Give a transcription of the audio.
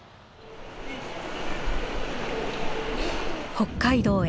北海道へ。